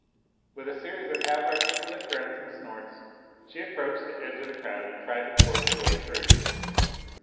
With a series of half articulate grunts and snorts she approached the edge of the crowd and tried to force her way through.